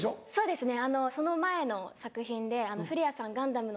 そうですね。